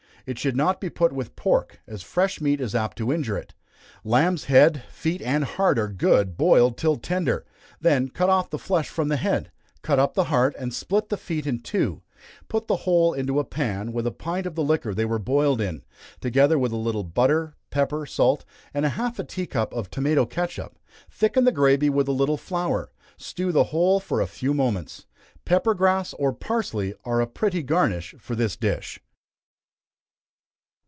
It should not be put with pork, as fresh meat is apt to injure it. Lamb's head, feet, and heart, are good, boiled till tender, then cut off the flesh from the head, cut up the heart, and split the feet in two; put the whole into a pan, with a pint of the liquor they were boiled in, together with a little butter, pepper, salt, and half a tea cup of tomato catsup; thicken the gravy with a little flour; stew the whole for a few moments. Pepper grass, or parsely, are a pretty garnish for this dish.